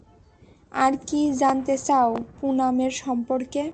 আর কী জানতে চাও পুনামের সম্পর্কে?